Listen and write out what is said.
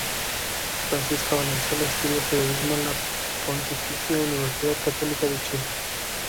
Francisca Valenzuela estudió Periodismo en la Pontificia Universidad Católica de Chile.